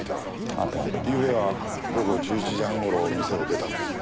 ゆうべは午後１１時半頃店を出たんですね？